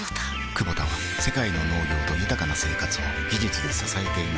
クボタは世界の農業と豊かな生活を技術で支えています起きて。